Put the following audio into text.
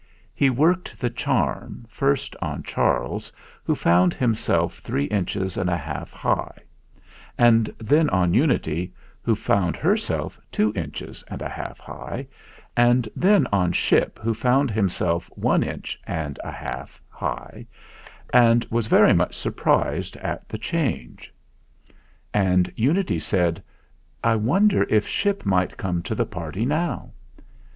He worked the charm, first on Charles, who found himself three THE ZAGABOG in inches and a half high; and then on Unity, who found herself two inches and a half high ; and then on Ship, who found himself one inch and a half high, and was very much surprised at the change. And Unity said, "I wonder if Ship might come to the party now